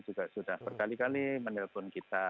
juga sudah berkali kali menelpon kita